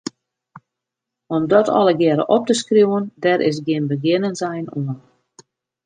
Om dat allegearre op te skriuwen, dêr is gjin begjinnensein oan.